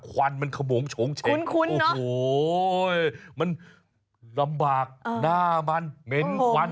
ควันมันขโมงโฉงเฉงคุณโอ้โหมันลำบากหน้ามันเหม็นควัน